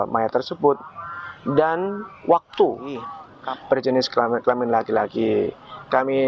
saya tersebut dan waktu perjenis kelamin laki laki kami